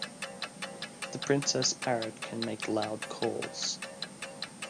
The princess parrot can make loud calls.